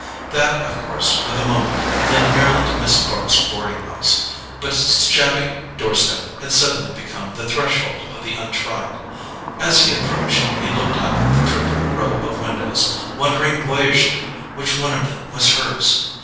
That course, for the moment, led merely to Miss Bart's boarding house; but its shabby doorstep had suddenly become the threshold of the untried. As he approached he looked up at the triple row of windows, wondering boyishly which one of them was hers.